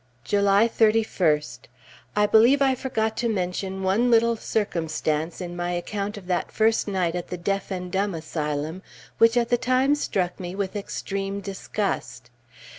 July 31st. I believe I forgot to mention one little circumstance in my account of that first night at the Deaf and Dumb Asylum, which at the time struck me with extreme disgust.